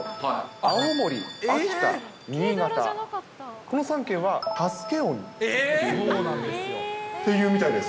青森、秋田、新潟、この３県は助け鬼というみたいです。